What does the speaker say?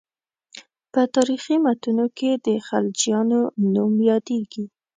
په تاریخي متونو کې د خلجیانو نوم یادېږي.